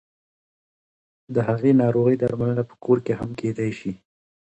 د هغې ناروغۍ درملنه په کور کې هم کېدای شي.